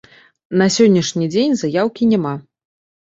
На сённяшні дзень заяўкі няма.